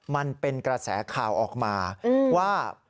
มันเป็นกระแสข่าวออกมาว่า